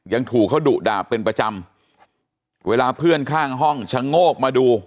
ยังถูกเขาดุด่าเป็นประจำเวลาเพื่อนข้างห้องชะโงกมาดู